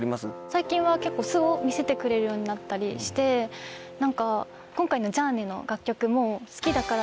最近は結構素を見せてくれるようになったりして今回の『じゃあね』の楽曲も。